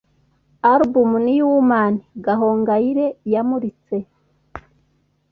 Album ’New Woman’ Gahongayire yamuritse